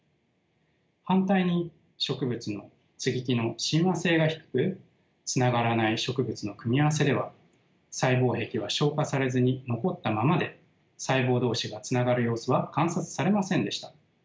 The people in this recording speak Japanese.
反対に植物の接ぎ木の親和性が低くつながらない植物の組み合わせでは細胞壁は消化されずに残ったままで細胞同士がつながる様子は観察されませんでした。